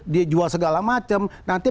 dia jual segala macem nanti